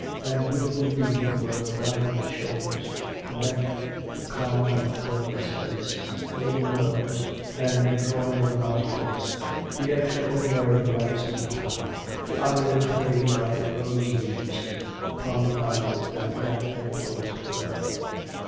And beautiful indeed were the rounded shoulders, the neck, the calm and bloodless face, the little nose, and the drawing of the nostrils, the extraordinary waxen pallor, the eyelids laid like rose leaves upon the eyes that death has closed for ever.